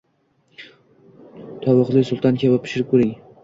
Tovuqli sulton kabob pishirib ko‘ring